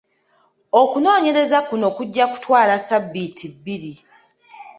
Okunoonyereza kuno kujja kutwala ssabiiti bbiri.